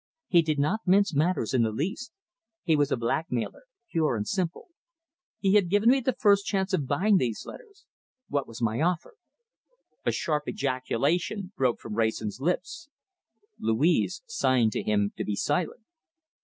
He did not mince matters in the least. He was a blackmailer pure and simple. He had given me the first chance of buying these letters! What was my offer?" A sharp ejaculation broke from Wrayson's lips. Louise signed to him to be silent.